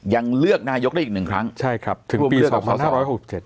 ยังเลือกนายกได้อีกหนึ่งครั้งใช่ครับถึงปีสองพันห้าร้อยหกเจ็ด